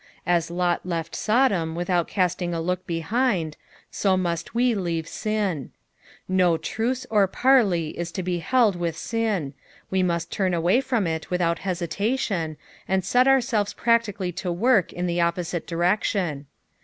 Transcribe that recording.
As Lot left Sodom vithom casting a look behind, so must we leave rin. No truce or parley is to 196 EXPOSITIONS OF TSB paiLUS. be held vith ain, we most turn away from it without hesitatiflQ, and set onr selies practical]; to work in the oppoaite direction.